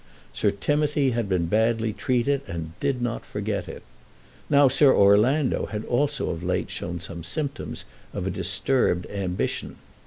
Sir Timothy had been badly treated, and did not forget it. Now Sir Orlando had also of late shown some symptoms of a disturbed ambition.